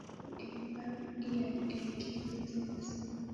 Kiy tugul ne iyae eng' imbar iyai eng' kimnatet